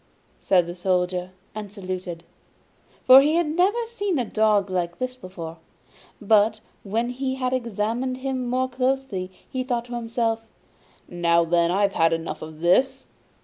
said the Soldier and saluted, for he had never seen a dog like this before. But when he had examined him more closely, he thought to himself: 'Now then, I've had enough of this!